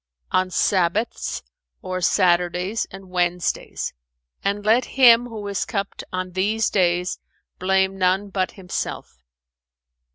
"On Sabbaths or Saturdays and Wednesdays; and let him who is cupped on these days blame none but himself.